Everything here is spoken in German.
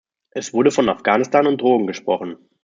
Es wurde von Afghanistan und Drogen gesprochen.